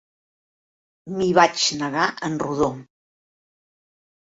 M'hi vaig negar en rodó.